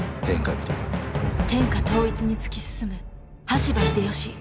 天下統一に突き進む羽柴秀吉。